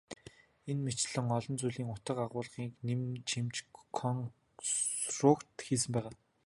Энэ мэтчилэн олон зүйлийн утга агуулгыг нэмэн чимж консрукт хийсэн байгаа.